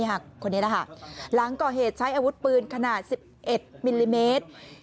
หลังก่อเหตุใช้อาวุธปืนขนาด๑๑มิลลิเมตร